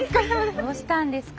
どうしたんですか？